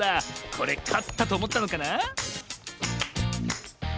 これかったとおもったのかな？